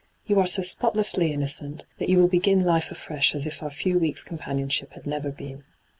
You are so spotlessly innocent that you will begin life afresh as if our few weekp' oompanioDship had never been.